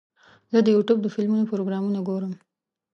زه د یوټیوب د فلمونو پروګرامونه ګورم.